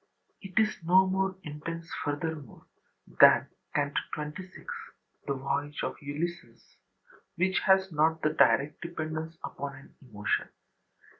It is no more intense, furthermore, than Canto XXVI, the voyage of Ulysses, which has not the direct dependence upon an emotion.